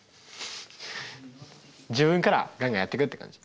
自分からガンガンやっていくって感じ。